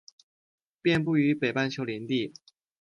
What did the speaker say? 遍布于北半球林地。